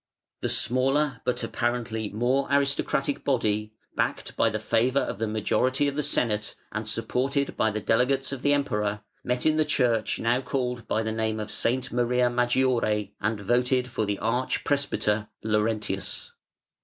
The smaller but apparently more aristocratic body, backed by the favour of the majority of the Senate and supported by the delegates of the Emperor, met in the church now called by the name of S. Maria Maggiore and voted for the arch presbyter Laurentius.